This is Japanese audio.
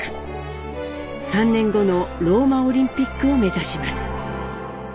３年後のローマオリンピックを目指します。